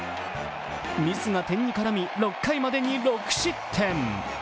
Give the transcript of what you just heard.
ミスが点に絡み６回までに６失点。